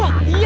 gue mau kerja